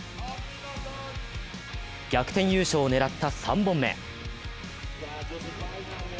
逆転優勝を狙った３本目。